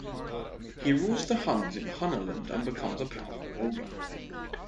He rules the Huns in Hunaland and becomes a powerful ruler.